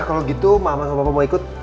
kalau gitu mama gak apa apa mau ikut